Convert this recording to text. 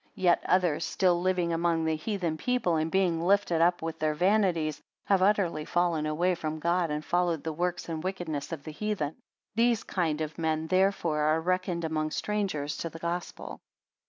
Yet others still living among the heathen people, and being lifted up with their vanities, have utterly fallen away from God, and followed the works and wickedness of the heathen. These kind of men therefore are reckoned among strangers to the Gospel.